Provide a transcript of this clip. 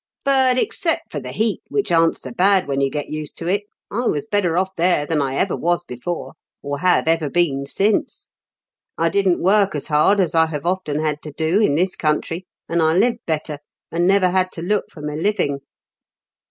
But, except for the heat, which aren't so bad when you get used to it, I was better off there than I ever was before, or have ever been since. I didn't work as hard as I have often had to do in this country, and 1 lived better, and never had to look for my living."